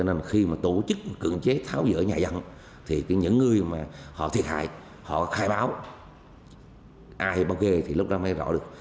nên khi mà tổ chức cưỡng chế tháo dỡ nhà dân thì những người mà họ thiệt hại họ khai báo ai hay báo ghê thì lúc đó mới rõ được